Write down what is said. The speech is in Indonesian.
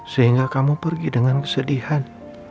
sehingga kamu pergi dengan kesedihan